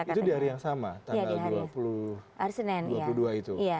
itu di hari yang sama tanggal dua puluh dua itu